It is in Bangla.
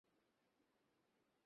তুই এভাবে কথা বলছিস?